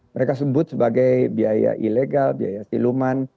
mereka sebut sebagai biaya ilegal biaya siluman